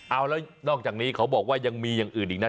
เอาแล้วนอกจากนี้เขาบอกว่ายังมีอย่างอื่นอีกนะ